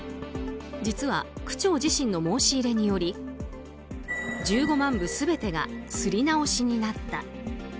実は、区長自身の申し入れにより１５万部全てが刷り直しとなった。